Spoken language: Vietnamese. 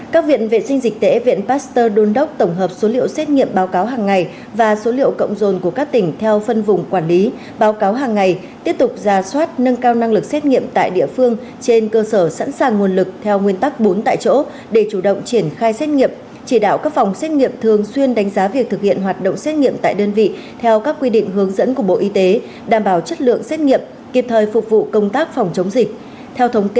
các viện vệ sinh dịch tễ viện pasteur đôn đốc tổng hợp số liệu xét nghiệm báo cáo hàng ngày và số liệu cộng dồn của các tỉnh theo phân vùng quản lý báo cáo hàng ngày tiếp tục ra soát nâng cao năng lực xét nghiệm tại địa phương trên cơ sở sẵn sàng nguồn lực theo nguyên tắc bốn tại chỗ để chủ động triển khai xét nghiệm chỉ đạo các phòng xét nghiệm thường xuyên đánh giá việc thực hiện hoạt động xét nghiệm tại đơn vị theo các quy định hướng dẫn của bộ y tế đảm bảo chất lượng xét nghiệm kịp thời phục vụ công tác phòng chống